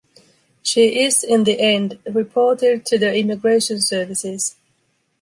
She is, in the end, reported to the Immigration Services.